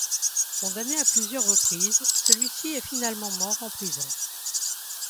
Condamné à plusieurs reprises, celui-ci est finalement mort en prison.